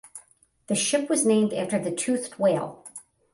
The ship was named after the toothed whale.